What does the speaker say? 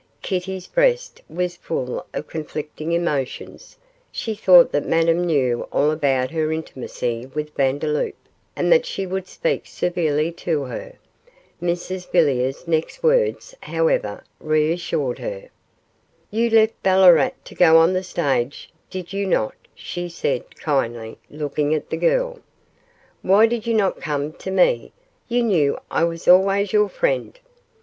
Kitty's breast was full of conflicting emotions; she thought that Madame knew all about her intimacy with Vandeloup, and that she would speak severely to her. Mrs Villiers' next words, however, reassured her. 'You left Ballarat to go on the stage, did you not?' she said kindly, looking at the girl; 'why did you not come to me? you knew I was always your friend.